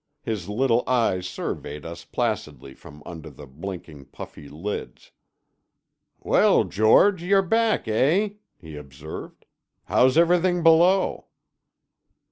His little eyes surveyed us placidly from under the blinking, puffy lids. "Well, George, you're back, eh?" he observed. "How's everything below?"